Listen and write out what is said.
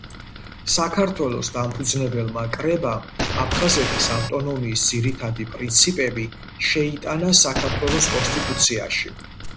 საქართველოს დამფუძნებელმა კრებამ აფხაზეთის ავტონომიის ძირითადი პრინციპები შეიტანა საქართველოს კონსტიტუციაში.